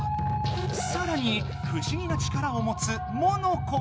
さらにふしぎな力をもつモノコ。